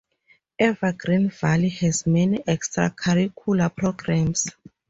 Evergreen Valley has many extracurricular programs.